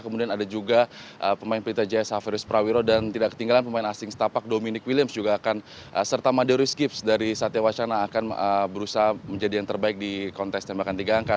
kemudian ada juga pemain pelita jaya saverius prawiro dan tidak ketinggalan pemain asing setapak dominic williams juga akan serta madeoris gips dari satya wacana akan berusaha menjadi yang terbaik di kontes tembakan tiga angka